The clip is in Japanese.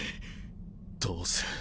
どうする？